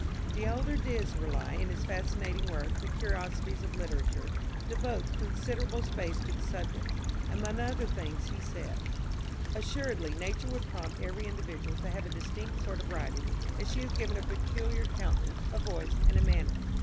The elder d'Israeli, in his fascinating work, the "Curiosities of Literature," devotes considerable space to the subject. Among other things, he says: "Assuredly nature would prompt every individual to have a distinct sort of writing, as she has given a peculiar countenance, a voice, and a manner.